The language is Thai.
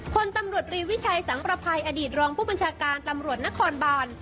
คนตำรวจรีวิชัยสังประภัยอดีตรองผู้บัญชาการตำรวจนครบาน